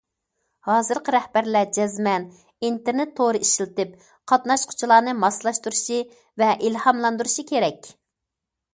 ھازىرقى رەھبەرلەر جەزمەن ئىنتېرنېت تورى ئىشلىتىپ، قاتناشقۇچىلارنى ماسلاشتۇرۇشى ۋە ئىلھاملاندۇرۇشى كېرەك.